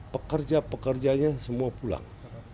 pekerja pekerjanya semua pulang